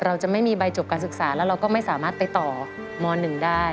เราจะไม่มีใบจบการศึกษาแล้วเราก็ไม่สามารถไปต่อม๑ได้